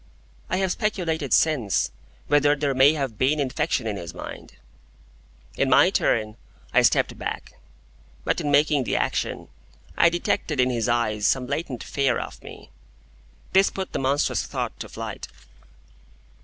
I have speculated since, whether there may have been infection in his mind. In my turn, I stepped back. But in making the action, I detected in his eyes some latent fear of me. This put the monstrous thought to flight.